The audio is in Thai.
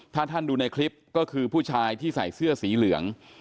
ถ้าท่านดูในคลิปก็คือผู้ชายที่ใส่เสื้อสีเหลือง